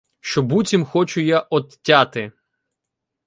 Що буцім хочу я одтяти